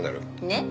ねっ。